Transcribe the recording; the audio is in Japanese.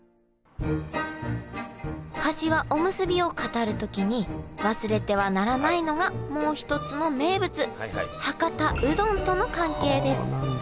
かしわおむすびを語る時に忘れてはならないのがもう一つの名物博多うどんとの関係です。